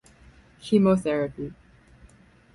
Chemotherapy.